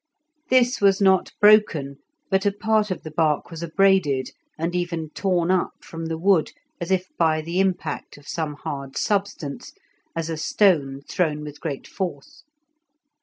This was not broken, but a part of the bark was abraded, and even torn up from the wood as if by the impact of some hard substance, as a stone thrown with great force.